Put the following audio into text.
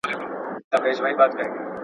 پير، مُريد او ملا هم درپسې ژاړي